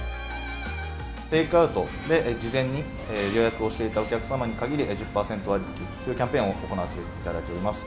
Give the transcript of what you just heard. テイクアウトで事前に予約をしていたお客様に限り、１０％割引というキャンペーンを行わせていただいております。